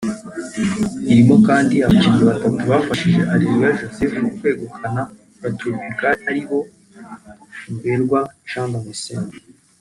irimo kandi abakinnyi batatu mu bafashije Areruya Joseph kwegukana La Tropicale aribo Ruberwa Jean Damascene